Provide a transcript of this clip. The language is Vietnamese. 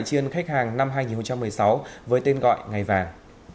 chiên khách hàng năm hai nghìn một mươi sáu với tên gọi ngày vàng